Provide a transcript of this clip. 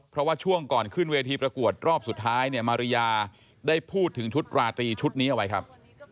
เพราะว่าช่วงก่อนขึ้นเวทีประกวดรอบสุดท้ายเนี่ยมาริยาได้พูดถึงชุดราตรีชุดนี้เอาไว้ครับ